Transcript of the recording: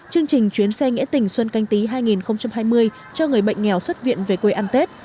chương trình chuyến xe nghĩa tình xuân canh tí hai nghìn hai mươi cho người bệnh nghèo xuất viện về quê ăn tết